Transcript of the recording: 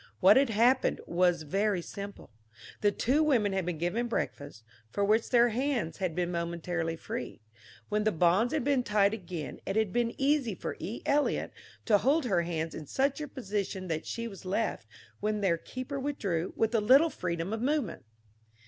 What had happened was very simple. The two women had been given breakfast, for which their hands had been momentarily freed. When the bonds had been tied again it had been easy for E. Eliot to hold her hands in such a position that she was left, when their keeper withdrew, with a little freedom of movement.